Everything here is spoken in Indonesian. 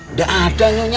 nggak ada nyonya